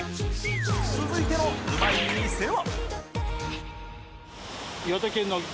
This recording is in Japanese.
続いてのうまい店は？